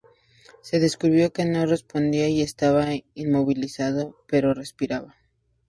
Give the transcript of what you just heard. Se descubrió que no respondía y estaba inmovilizado, pero respiraba.